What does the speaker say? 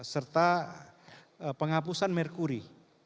serta penghapusan merkuri